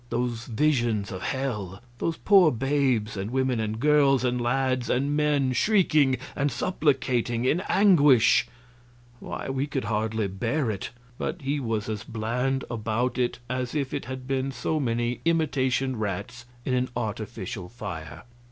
Those visions of hell, those poor babes and women and girls and lads and men shrieking and supplicating in anguish why, we could hardly bear it, but he was as bland about it as if it had been so many imitation rats in an artificial fire.